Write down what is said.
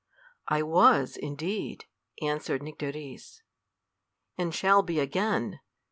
"] "I was, indeed," answered Nycteris, "and shall be again.